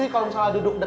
udah udah lan duduk lan